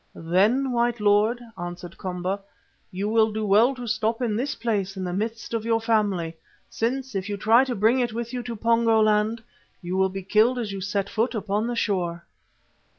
"Then, white lord," answered Komba, "you will do well to stop in this place in the midst of your family, since, if you try to bring it with you to Pongo land, you will be killed as you set foot upon the shore."